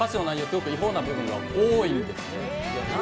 すごく違法な部分が多いんです。